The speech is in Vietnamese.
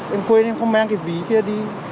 em quên em không mang cái ví kia đi